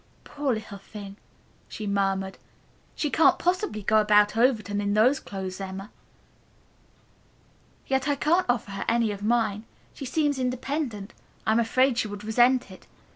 "Poor little thing," she murmured. "She can't possibly go about Overton in those clothes, Emma. Yet I can't offer her any of mine. She seems independent. I am afraid she would resent it.